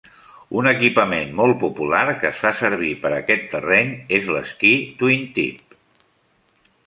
Un equipament molt popular que es fa servir per a aquest terreny és l'esquí "twin-tip".